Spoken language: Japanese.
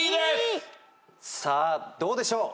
さあどうでしょう？